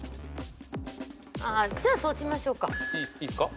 じゃあそうしましょうか。